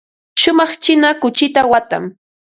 Shumaq china kuchita watan.